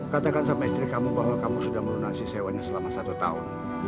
katakan sama istri kamu bahwa kamu sudah melunasi sewanya selama satu tahun